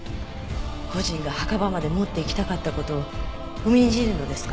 故人が墓場まで持っていきたかった事を踏みにじるのですか？